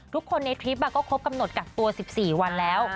ทุกคนในคลิปก็ครบกำหนดกักตัว๑๔วันแล้ว